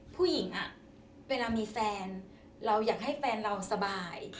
ผู้หญิงเวลามีแฟนเราอยากให้แฟนเราสบาย